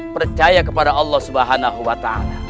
percaya kepada allah swt